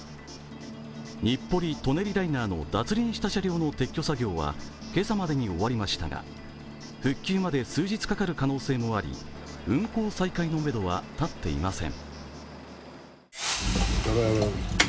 日暮里・舎人ライナーの脱輪した列車の撤去作業は今朝までに終わりましたが、復旧まで数日かかる可能性もあり、運行再開のめどは立っていません。